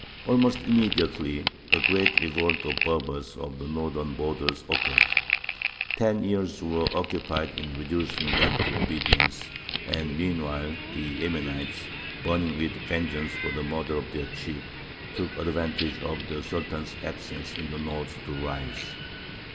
Almost immediately, a great revolt of the Berbers of the northern borders occurred. Ten years were occupied in reducing them to obedience, and meanwhile the Yemenites, burning with vengeance for the murder of their chief, took advantage of the Sultan's absence in the north to rise.